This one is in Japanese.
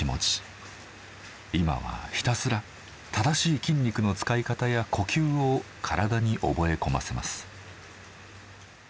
今はひたすら正しい筋肉の使い方や呼吸を体に覚え込ませます。